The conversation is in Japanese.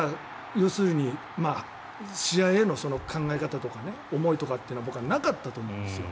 要するに、試合への考え方とか思いとかっていうのは僕はなかったと思うんですよ。